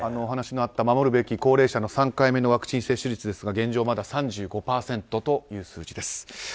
話のあった守るべき高齢者の３回目のワクチン接種率ですが現状、まだ３５％という数字です。